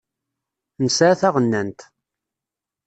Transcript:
Nesεa taɣennant.